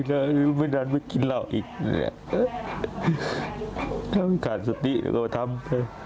ถ้าไม่ขาดสติก็ทำ